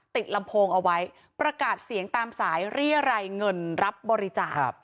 ลำโพงเอาไว้ประกาศเสียงตามสายเรียรัยเงินรับบริจาค